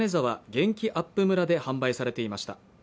元気あっぷむらで販売されていました